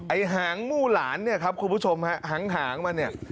ไอ้หางมู่หลานครับคุณผู้ชมหางมานี่